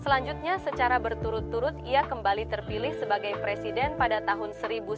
selanjutnya secara berturut turut ia kembali terpilih sebagai presiden pada tahun seribu sembilan ratus sembilan puluh